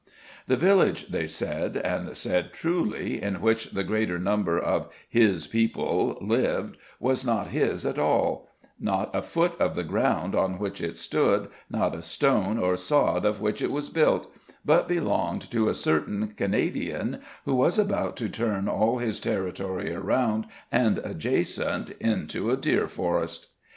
The village they said, and said truly, in which the greater number of HIS PEOPLE lived, was not his at all not a foot of the ground on which it stood, not a stone or sod of which it was built but belonged to a certain Canadian, who was about to turn all his territory around and adjacent into a deer forest!